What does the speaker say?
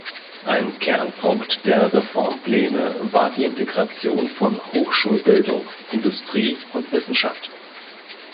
Ein Kernpunkt der Reformpläne war die Integration von Hochschulbildung, Industrie und Wissenschaft.